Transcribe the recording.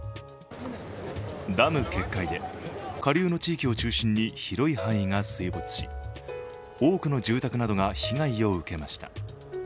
ダム決壊で下流の地域を中心に広い範囲で水没し多くの住宅などが被害を受けました。